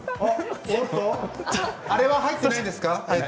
あれは入っていないですか？